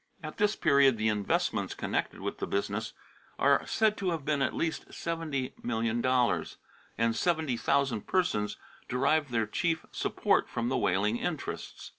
At this period the "investments connected with the business are said to have been at least $70,000,000, and 70,000 persons derived their chief support from the whaling interests."